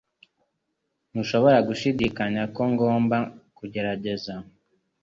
Ntushobora gushidikanya ko ngomba kugerageza